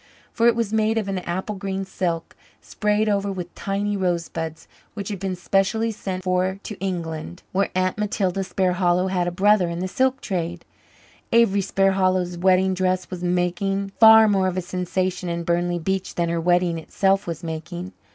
For it was made of an apple green silk, sprayed over with tiny rosebuds, which had been specially sent for to England, where Aunt Matilda Sparhallow had a brother in the silk trade. Avery Sparhallow's wedding dress was making far more of a sensation in Burnley Beach than her wedding itself was making.